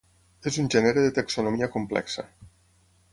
És un gènere de taxonomia complexa.